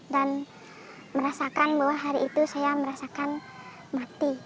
dan merasakan bahwa hari itu saya merasakan mati